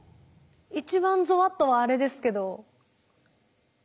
一番ぞわっとはあれですけど。